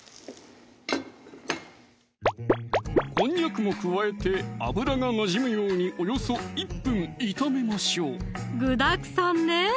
こんにゃくも加えて油がなじむようにおよそ１分炒めましょう具だくさんね